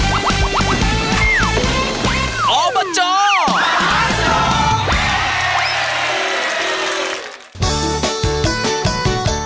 ออบจภาษาโชค